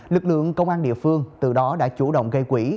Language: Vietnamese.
lực lượng công an địa phương từ đó đã chủ động gây quỹ